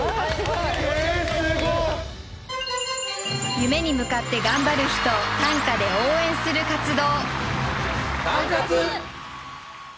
夢に向かって頑張る人を短歌で応援する活動。